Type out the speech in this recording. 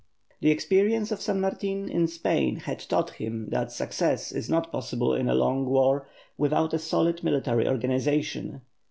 The experience of San Martin in Spain had taught him that success is not possible in a long war without a solid military organization.